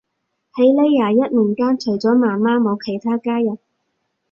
喺呢廿一年間，除咗媽媽冇其他家人